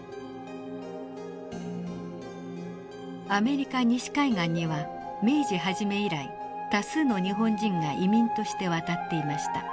アメリカ西海岸には明治初め以来多数の日本人が移民として渡っていました。